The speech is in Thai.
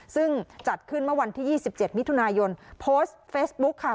ซึ่งจัดขึ้นเมื่อวันที่๒๗มิถุนายนโพสต์เฟซบุ๊คค่ะ